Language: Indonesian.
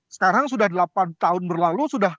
sekarang sudah delapan tahun berlalu sudah